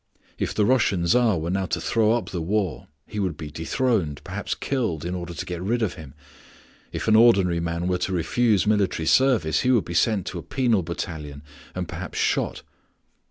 If the Russian Tsar were now to throw up the war, he would be dethroned, perhaps killed, in order to get rid of him; if an ordinary man were to refuse military service, he would be sent to a penal battalion and perhaps shot.